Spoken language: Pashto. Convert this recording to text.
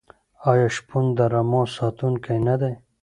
آیا شپون د رمو ساتونکی نه دی؟